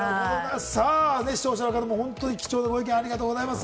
視聴者の方も本当に貴重なご意見、ありがとうございます。